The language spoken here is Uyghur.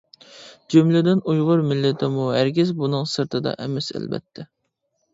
جۈملىدىن ئۇيغۇر مىللىتىمۇ ھەرگىز بۇنىڭ سىرتىدا ئەمەس، ئەلۋەتتە.